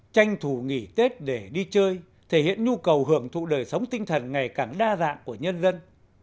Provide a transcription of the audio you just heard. tranh thủ nghỉ tết để đi chơi thể hiện nhu cầu hưởng thụ đời sống tinh thần ngày càng đa dạng của nhân dân